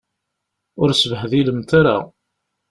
Ur sbehdilemt ara.